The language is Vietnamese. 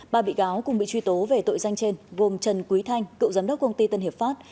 ba bị cáo cùng bị truy tố về tội danh trên gồm trần quý thanh cựu giám đốc công ty tân hiệp pháp